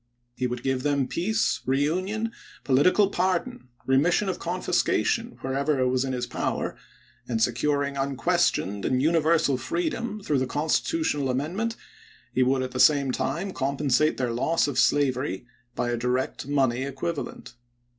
He would give them peace, reunion, political par don, remission of confiscation wherever it was in his power, and securing unquestioned and universal freedom through the constitutional amendment, he would at the same time compensate their loss of slavery by a direct money equivalent.